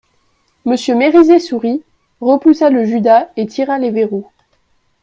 Monsieur Mériset sourit, repoussa le judas et tira les verrous.